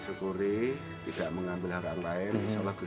saya mau yang penting alang punya uang walaupun sedikit